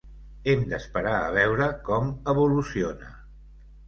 Hem d’esperar a veure com evoluciona.